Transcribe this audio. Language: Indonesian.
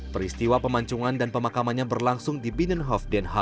peristiwa pemancungan dan pemakamannya berlangsung di binnenhof